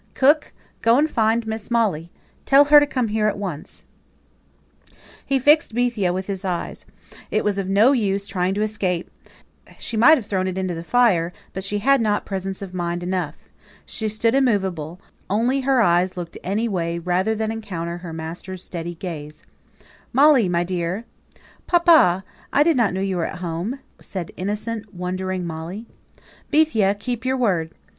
"Cook, go and find Miss Molly. Tell her to come here at once." He fixed Bethia with his eyes. It was of no use trying to escape: she might have thrown it into the fire, but she had not presence of mind enough. She stood immovable, only her eyes looked any way rather than encounter her master's steady gaze. "Molly, my dear!" "Papa! I did not know you were at home," said innocent, wondering Molly. "Bethia, keep your word.